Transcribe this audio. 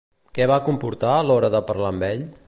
Què va comportar a l'hora de parlar amb ell?